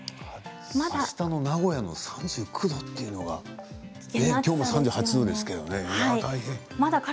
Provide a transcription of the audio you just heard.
あしたの名古屋の３９度というのがきょう３８度ですけど、大変。